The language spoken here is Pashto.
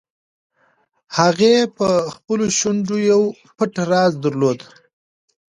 هغې په خپلو شونډو یو پټ راز درلود.